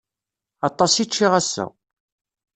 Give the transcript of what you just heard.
Aṭas i ččiɣ ass-a.